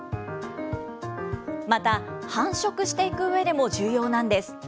また、繁殖していくうえでも重要なんです。